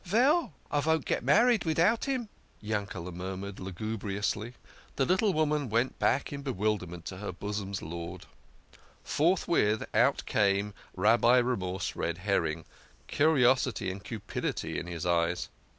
"Veil, I won't get married midout him," Yankel mur mured lugubriously. The little woman went back in bewilderment to her bosom's lord. Forthwith out came Rabbi Remorse Red her ring, curiosity and cupidity in his eyes.